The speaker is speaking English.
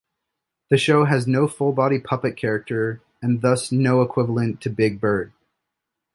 The show has no full-body puppet character and, thus, no equivalent to Big Bird.